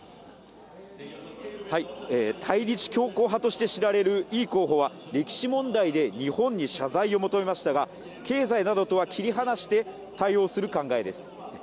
対日強硬派として知られるイ候補は歴史問題で日本に謝罪を求めましたが経済などとは切り離して対応する考えです。